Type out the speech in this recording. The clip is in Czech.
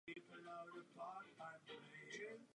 Nepravidelná zrna.